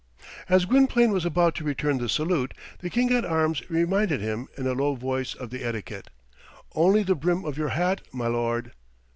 As Gwynplaine was about to return the salute, the King at Arms reminded him in a low voice of the etiquette, "Only the brim of your hat, my lord."